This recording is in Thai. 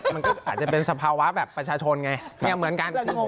มันก็อาจจะเป็นสภาวะแบบประชาชนไงเหมือนกัน